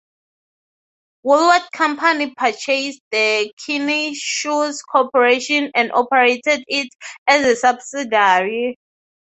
Woolworth Company purchased the Kinney Shoe Corporation and operated it as a subsidiary.